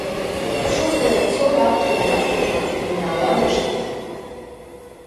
Ԥшыхәра ианцо раԥхьа иара дгылан, ианаауа рышьҭахь.